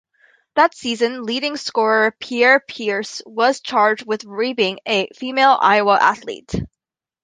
That season, leading scorer Pierre Pierce was charged with raping a female Iowa athlete.